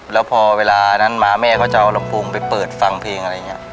แล้วพอเวลานั้นมาแม่เขาจะเอาลำโพงไปเปิดฟังเพลงอะไรอย่างนี้